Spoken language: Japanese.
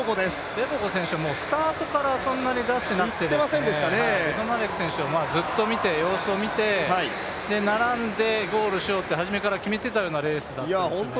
テボゴ選手はスタートからそんなに出してなくてベドナレク選手をずっと見て、様子を見て、並んでゴールしようって初めから決めてたようなレースでしたよね。